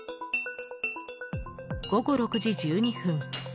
午後６時１２分。